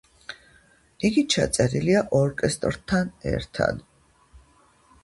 იგი ჩაწერილია ორკესტრთან ერთად.